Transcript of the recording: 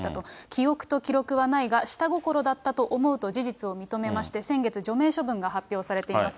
記憶と記録はないが、下心だったと思うと事実を認めまして、先月除名処分が発表されています。